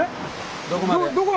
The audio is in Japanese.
どこまで。